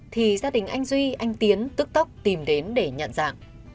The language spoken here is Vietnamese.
thì gia đình anh duy anh tiến tức tốc tìm đến để nhận dạng